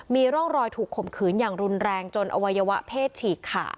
มีร่องรอยถูกข่มขืนอย่างรุนแรงจนอวัยวะเพศฉีกขาด